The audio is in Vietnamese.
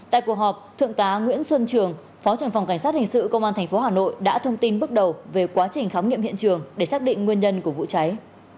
tại cuộc họp thượng tá nguyễn xuân trường phó trưởng phòng cảnh sát hình sự công an tp hà nội đã thông tin bước đầu về quá trình khám nghiệm hiện trường để xác định nguyên nhân của vụ cháy